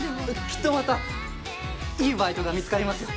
きっとまたいいバイトが見つかりますよ。